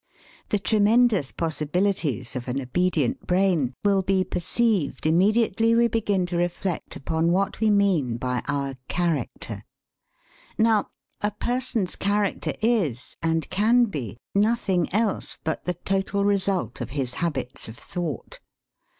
The tremendous possibilities of an obedient brain will be perceived immediately we begin to reflect upon what we mean by our 'character.' Now, a person's character is, and can be, nothing else but the total result of his habits of thought.